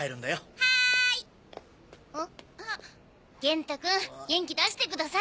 元太くん元気出してください。